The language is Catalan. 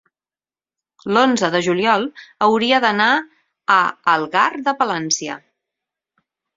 L'onze de juliol hauria d'anar a Algar de Palància.